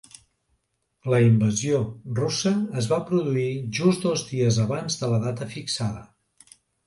La invasió russa es va produir just dos dies abans de la data fixada.